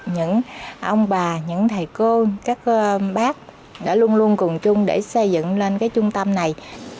những ông bà những thầy cô các bác đã luôn luôn cùng chung để xây dựng lên cái trung tâm này